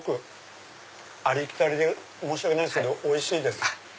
ありきたりで申し訳ないですけどおいしいです。